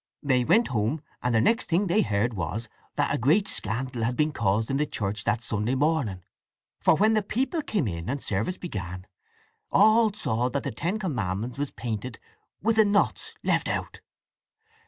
They went home, and the next thing they heard was that a great scandal had been caused in the church that Sunday morning, for when the people came and service began, all saw that the Ten Commandments wez painted with the 'nots' left out.